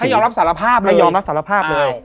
ยอมรับสารภาพเลยยอมรับสารภาพเลย